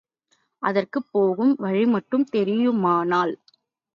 அதற்குப் போகும் வழிமட்டும் தெரியுமானால்...!